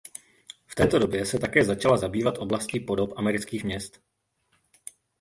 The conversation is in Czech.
V této době se také začala zabývat oblastí podob amerických měst.